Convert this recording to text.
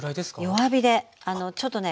弱火でちょっとね